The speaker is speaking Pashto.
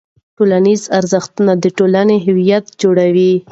ټولنیز ارزښت د ټولنې هویت جوړوي.